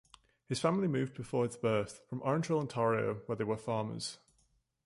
His family moved, before his birth, from Orangeville, Ontario where they were farmers.